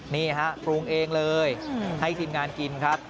นี่ฮะปรุงเองเลยให้ทีมงานกินครับ